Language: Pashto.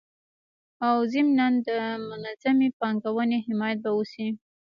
او ضمنان د منظمي پانګوني حمایت به وسي